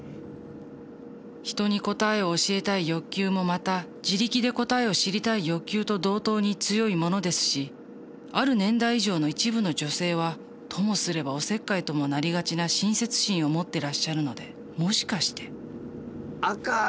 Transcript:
人に答えを教えたい欲求もまた自力で答えを知りたい欲求と同等に強いものですしある年代以上の一部の女性はともすればおせっかいともなりがちな親切心を持ってらっしゃるのでもしかして赤紫。